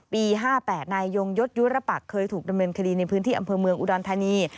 ปี๕๘นายยงยศยุรปักเคยถูกดำเนินคดีในพื้นที่อำเภอเมืองอุดรธานี